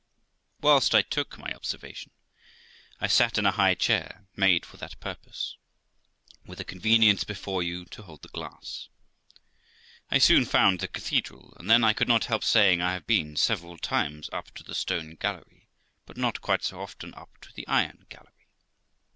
Whilst I took my observation, I sat in a high clair, made for that pur pose, with a convenience before you to hold the glass. I soon found the cathedral, and then I could not help saying I have been several times up to the stone gallery, but not quite so often up to the iron gallery.